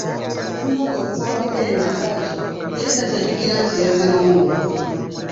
Olw'emboozi okugwa amakerenda bw'etyo, yali takyajjukira nti yazze n'omuntu.